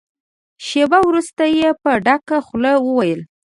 شېبه وروسته يې په ډکه خوله وويل.